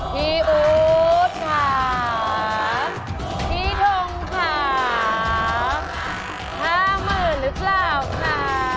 พี่อู๋สค่ะพี่ทงค่ะห้าหมื่นหรือเปล่าค่ะ